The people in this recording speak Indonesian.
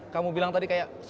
kamu bilang tadi kayak